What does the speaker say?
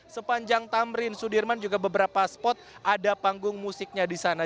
sepanjang tamrin sudirman juga beberapa spot ada panggung musiknya di sana